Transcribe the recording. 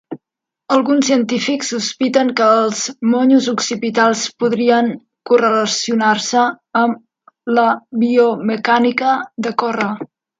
Alguns científics sospiten que els monyos occipitals podrien correlacionar-se amb la biomecànica de córrer.